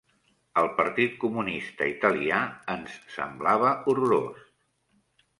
El Partit Comunista Italià ens semblava horrorós.